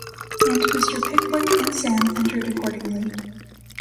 And Mr. Pickwick and Sam entered accordingly.